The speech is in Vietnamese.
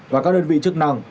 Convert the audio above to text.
và các đơn vị chức năng